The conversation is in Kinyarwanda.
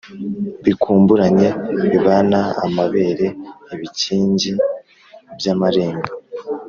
Bikumburanye bibana-Amabere - Ibikingi by'amarembo.